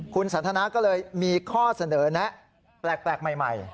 คุณสันทนาก็เลยมีข้อเสนอแนะแปลกใหม่